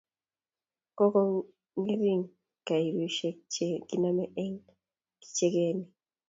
kokongeringin kariushe che kiname eng ya kichekenii